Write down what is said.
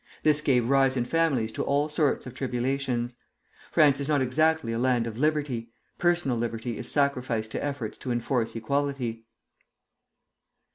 This gave rise in families to all sorts of tribulations. France is not exactly a land of liberty; personal liberty is sacrificed to efforts to enforce equality.